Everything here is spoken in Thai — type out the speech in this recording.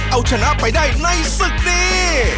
เอาชนะไปได้ในศึกนี้